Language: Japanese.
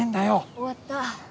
終わった。